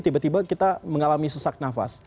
tiba tiba kita mengalami sesak nafas